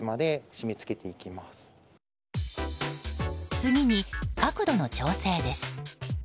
次に角度の調整です。